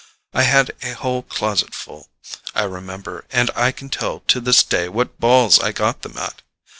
I had a whole closet full, I remember; and I can tell to this day what balls I got them at.